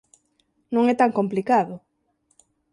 Non é tan complicado.